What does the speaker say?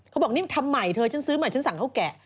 เขาบอกนี่ทำใหม่เธอฉันซื้อใหม่ฉันสั่งข้าวแกะ